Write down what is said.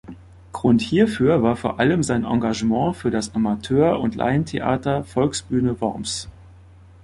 Grund hierfür war vor allem sein Engagement für das Amateur- und Laientheater Volksbühne Worms.